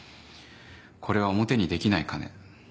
これは表にできない金。